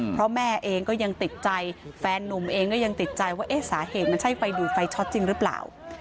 เพราะแม่เองก็ยังติดใจแฟนนุ่มเองก็ยังติดใจว่าเอ๊ะสาเหตุมันใช่ไฟดูดไฟช็อตจริงหรือเปล่า